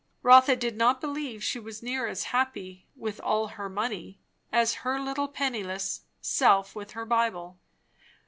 Rotha did not believe she was near as happy, with all her money, as her little penniless self with her Bible.